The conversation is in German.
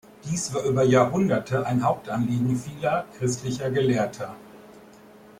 Dies war über Jahrhunderte ein Hauptanliegen vieler christlicher Gelehrter.